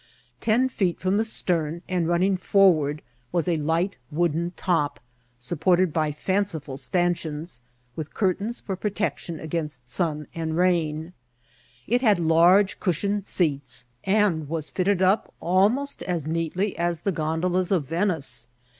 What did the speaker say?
Ten feet bom the stern, and running forward, was a light wooden top, supported by fanciful stancheons, with curtains for protection against sun and rain ; it had large cush ioned seats, and was fitted up almost as neatly as the gondolas of Venice.